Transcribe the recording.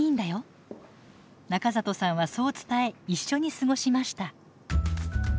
中里さんはそう伝え一緒に過ごしました。